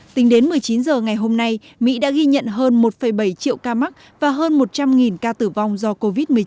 tính đến một mươi chín h ngày hôm nay mỹ đã ghi nhận hơn một bảy triệu ca mắc và hơn một trăm linh ca tử vong do covid một mươi chín